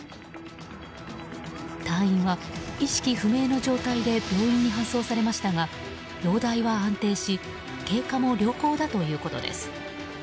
隊員は意識不明の状態で病院に搬送されましたが容体は安定し経過も良好だということです。